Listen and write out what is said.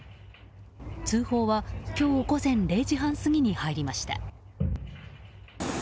通報は今日午前０時半過ぎに入りました。